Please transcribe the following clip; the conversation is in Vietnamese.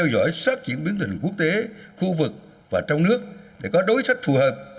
chúng ta sẽ tiếp tục diễn biến tình quốc tế khu vực và trong nước để có đối sách phù hợp